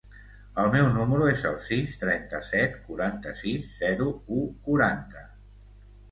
El meu número es el sis, trenta-set, quaranta-sis, zero, u, quaranta.